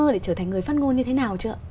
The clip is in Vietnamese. để trở thành người phát ngôn như thế nào chưa ạ